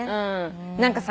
何かさ